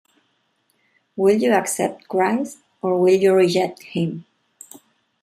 Will you accept Christ, or will you reject Him?